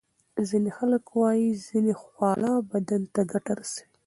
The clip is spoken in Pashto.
ځینې خلک وايي ځینې خواړه بدن ته ګټه رسوي.